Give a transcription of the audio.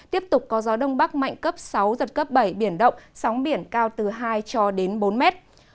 tiếp tục có gió đông bắc mạnh cấp sáu giật cấp bảy biển động sóng biển cao từ hai cho đến bốn mét